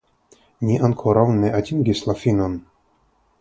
Ni ankoraŭ ne atingis la finon.